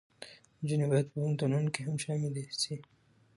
نجونې باید په پوهنتونونو کې هم شاملې شي.